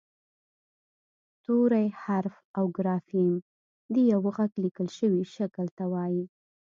توری حرف او ګرافیم د یوه غږ لیکل شوي شکل ته وايي